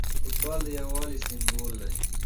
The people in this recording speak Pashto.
فوټبال د یووالي سمبول دی.